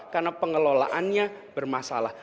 karena pengelolaannya bermasalah